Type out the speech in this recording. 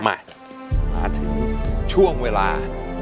มาถึงช่วงเวลา